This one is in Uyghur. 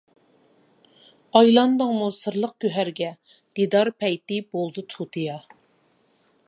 ئايلاندىڭمۇ سىرلىق گۆھەرگە، دىدار پەيتى بولدى تۇتىيا.